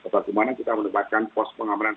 bagaimana kita melibatkan pos pengamanan